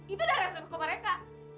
itu udah resiko mereka